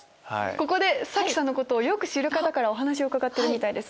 ここで須さんのことをよく知る方からお話を伺ってるみたいです